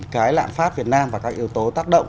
cái lạm phát việt nam và các yếu tố tác động